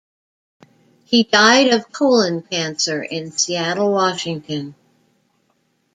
He died of colon cancer in Seattle, Washington.